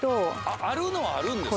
あるのはあるんですか？